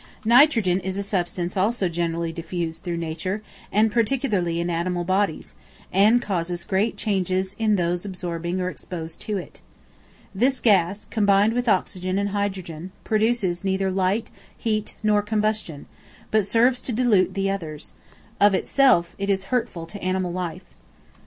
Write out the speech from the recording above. Nitrogen is a substance also generally diffused through nature, and particularly in animal bodies, and causes great changes in those absorbing or exposed to it. This gas, combined with oxygen and hydrogen, produces neither light, heat, nor combustion, but serves to dilute the others: of itself, it is hurtful to animal life.